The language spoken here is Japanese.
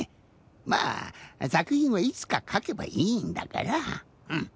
まあさくひんはいつかかけばいいんだからうん。